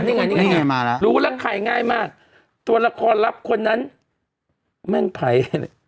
นี่ไงรู้แล้วขายง่ายมากตัวละครรับคนนั้นแม่งไผล